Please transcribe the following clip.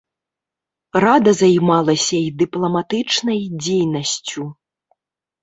Рада займалася і дыпламатычнай дзейнасцю.